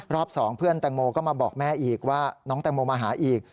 ๒เพื่อนแตงโมก็มาบอกแม่อีกว่าน้องแตงโมมาหาอีก